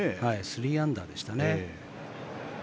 ３アンダーでしたね。